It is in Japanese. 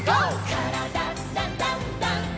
「からだダンダンダン」